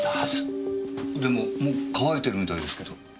でももう乾いてるみたいですけど。